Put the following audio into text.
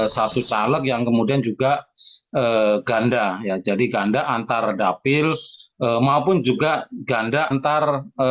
satu caleg yang kemudian juga ganda ya jadi ganda antar dapil maupun juga ganda antar